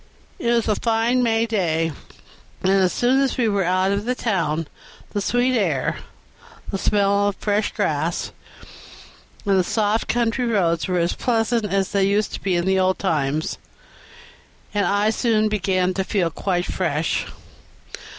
It was a fine May day, and as soon as we were out of the town, the sweet air, the smell of the fresh grass, and the soft country roads were as pleasant as they used to be in the old times, and I soon began to feel quite fresh.